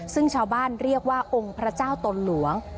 ซึ่งชาวบ้านเรียกว่าองค์พระเจ้าตนหลวง